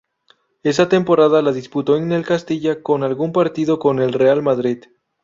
Esa temporada la disputó en el Castilla con algún partido con el Real Madrid.